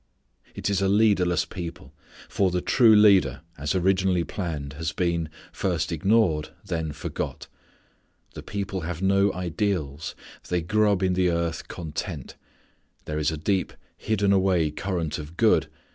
It is a leaderless people, for the true Leader as originally planned has been, first ignored, then forgot. The people have no ideals. They grub in the earth content. There is a deep, hidden away current of good.